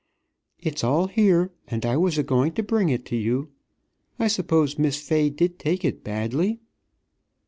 It's all here, and I was a going to bring it you. I suppose Miss Fay did take it badly?"